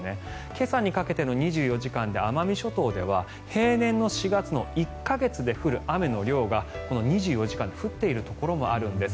今朝にかけての２４時間で奄美諸島では平年の４月の１か月で降る雨の量がこの２４時間で降っているところもあるんです。